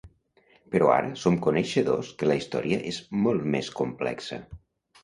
Però ara som coneixedors que la història és molt més complexa.